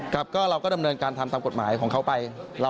ครับก็เราก็ดำเนินการทำตามกฎหมายของเขาไป